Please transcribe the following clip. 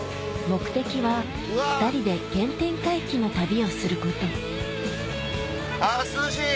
目的は２人で原点回帰の旅をすることあ涼しい！